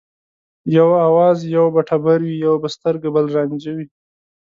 یو آواز یو به ټبر وي یو به سترګه بل رانجه وي